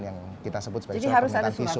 yang kita sebut sebagai soal permintaan visum